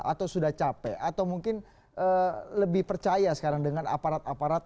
atau sudah capek atau mungkin lebih percaya sekarang dengan aparat aparat